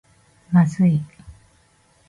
まずい